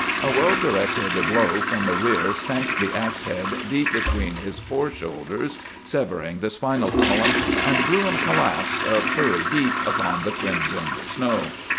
A well directed blow from the rear sank the axe head deep between his fore shoulders, severing the spinal column, and Bruin collapsed, a furry heap, upon the crimsoned snow.